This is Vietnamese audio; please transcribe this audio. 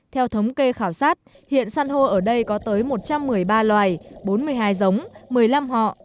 theo thống kê khảo sát hiện san hô ở đây có tới một trăm một mươi ba loài bốn mươi hai giống một mươi năm họ